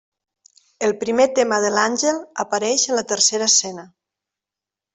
El primer tema de l'àngel apareix en la tercera escena.